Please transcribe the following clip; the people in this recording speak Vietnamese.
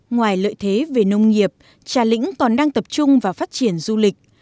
ngoài lợi thế về nông nghiệp trà lĩnh còn đang tập trung vào phát triển du lịch